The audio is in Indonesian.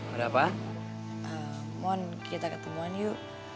ada apa mohon kita ketemuan yuk